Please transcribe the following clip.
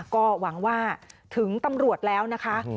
ก็หวังว่าถึงตำรวจแล้วนะคะ